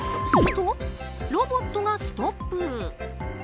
すると、ロボットがストップ。